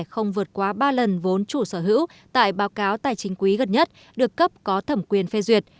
không vượt quá ba lần vốn chủ sở hữu tại báo cáo tài chính quý gần nhất được cấp có thẩm quyền phê duyệt